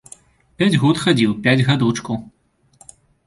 Пяць год хадзіў, пяць гадочкаў.